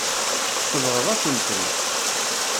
Tsebɣeḍ-asen-ten.